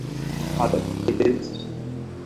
খুব ভালো, ফিটজ।